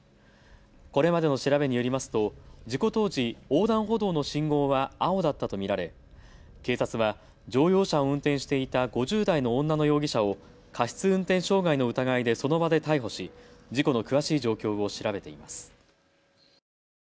これまでの調べによりますと事故当時、横断歩道の信号は青だったと見られ警察は乗用車を運転していた５０代の女の容疑者を過失運転傷害の疑いでその場で逮捕し、事故の詳しい状況を調べています。